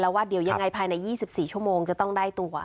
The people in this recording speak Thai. ว่าเดี๋ยวยังไงภายใน๒๔ชั่วโมงจะต้องได้ตัว